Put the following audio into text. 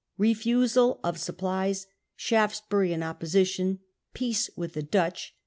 Refusal of Supplies. Shaftesbury in Opposition. Peace with the Dutch.